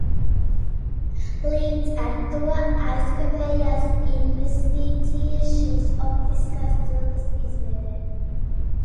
Līdz ar to aizkavējās investīcijas šīs optiskās cilpas izveidei.